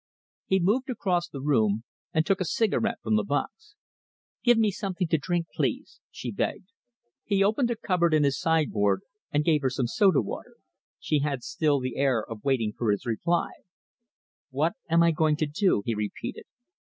He moved across the room and took a cigarette from a box. "Give me something to drink, please," she begged. He opened a cupboard in his sideboard and gave her some soda water. She had still the air of waiting for his reply. "What am I going to do?" he repeated.